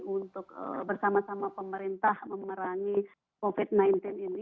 untuk bersama sama pemerintah memerangi covid sembilan belas ini